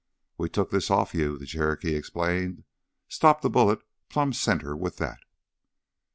"We took this off you," the Cherokee explained. "Stopped a bullet plumb center with that."